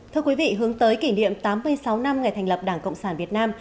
thưa quý vị hướng tới kỷ niệm tám mươi sáu năm ngày thành lập đảng cộng sản việt nam